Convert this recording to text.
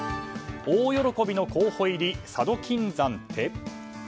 大喜びの候補入り佐渡金山って？